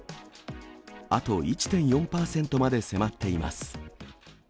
あと１．４％まで迫っています。